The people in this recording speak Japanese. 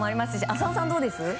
浅尾さんはどうですか？